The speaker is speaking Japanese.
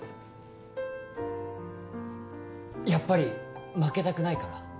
やっぱり負けたくないから？